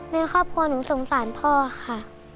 ในครอบครัวหนูสงสารพ่อค่ะ